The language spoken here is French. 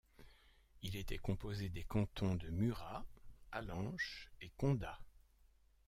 Il était composé des cantons de Murat, Allanche et Condat.